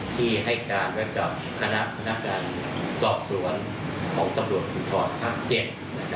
ที่ให้การด้วยกับคณะการจอบส่วนของตำรวจคุณทอดทักเจ็ด